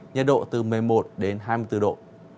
nhiệt độ từ một mươi một đến hai mươi bốn độ